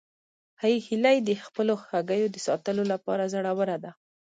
هیلۍ د خپلو هګیو د ساتلو لپاره زړوره ده